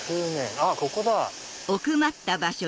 あっここだ。